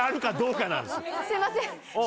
すいません。